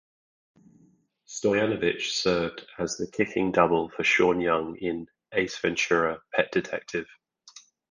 Stoyanovich served as the kicking double for Sean Young in "Ace Ventura, Pet Detective".